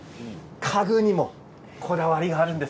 家具にもこだわりがあるんです。